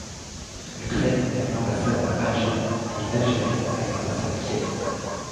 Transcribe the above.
L'Ukraine a une ambassade à Alger, et l'Algérie a une ambassade à Kiev.